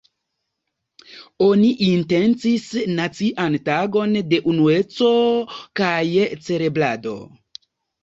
Oni intencis nacian tagon de unueco kaj celebrado.